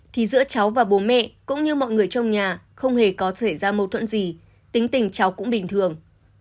thì giữa cháu và bố mẹ cũng như mọi người trong nhà không hề có xảy ra mâu thuẫn gì tính tình cháu cũng bình thường